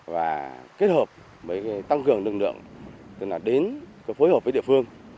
và kết hợp với tăng cường lực lượng tức là đến phối hợp với địa phương